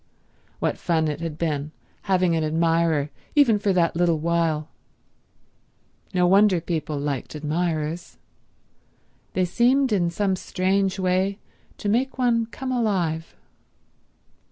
What fun it had been, having an admirer even for that little while. No wonder people liked admirers. They seemed, in some strange way, to make one come alive.